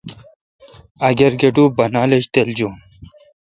اگر کٹو بانال ایج تِل جون۔